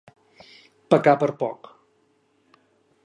Pecar per poc.